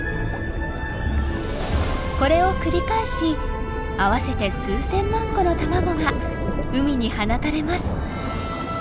これを繰り返し合わせて数千万個の卵が海に放たれます。